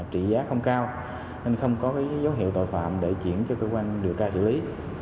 trị giá không cao nên không có dấu hiệu tội phạm để chuyển cho cơ quan điều tra xử lý